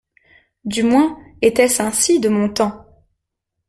Du moins était-ce ainsi de mon temps.